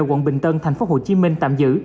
quận bình tân thành phố hồ chí minh tạm giữ